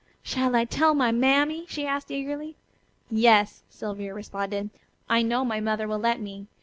"Shall I tell my mammy?" she asked eagerly. "Yes," Sylvia responded. "I know my mother will let me.